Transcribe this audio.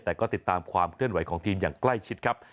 แต่ก็ติดตามความเคลื่อนไหวของทีมอย่างใกล้ชิดครับ